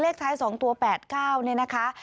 เลขท้ายสองตัวแปดเก้าเนี่ยนะคะ